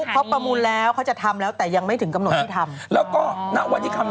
เขาประมูลแล้วเขาจะทำแล้วแต่ยังไม่ถึงกำหนดที่ทำ